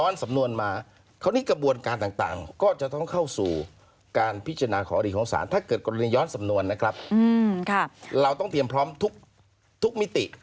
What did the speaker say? เราต้องเตรียมพร้อมทุกมิติ